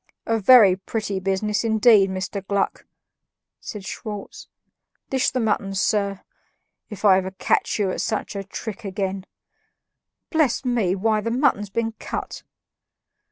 "A very pretty business, indeed, Mr. Gluck!" said Schwartz. "Dish the mutton, sir. If ever I catch you at such a trick again bless me, why, the mutton's been cut!"